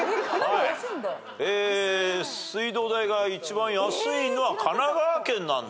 水道代が一番安いのは神奈川県なんだ。